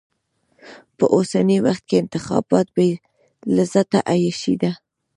په اوسني وخت کې انتخابات بې لذته عياشي ده.